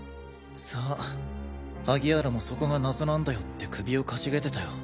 さぁ萩原もそこが謎なんだよって首を傾げてたよ。